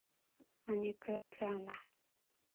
아니, 그렇지 않아.